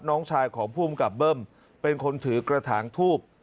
น้องชายของภูมิกับเบิ้มเป็นคนถือกระถางทูบ